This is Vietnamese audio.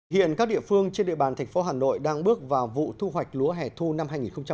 hiện các địa phương trên địa bàn thành phố hà nội đang bước vào vụ thu hoạch lúa hẻ thu năm hai nghìn hai mươi